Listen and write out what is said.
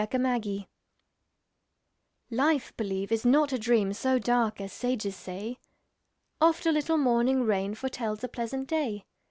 Charlotte Bronte Life LIFE, believe, is not a dream So dark as sages say; Oft a little morning rain Foretells a pleasant day.